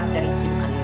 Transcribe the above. tapi evita sendiri